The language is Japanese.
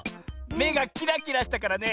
めがキラキラしたからね